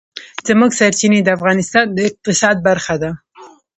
ژورې سرچینې د افغانستان د اقتصاد برخه ده.